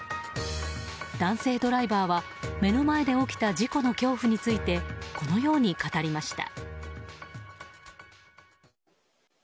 男性ドライバーは目の前で起きた事故の恐怖についてこのように語りました。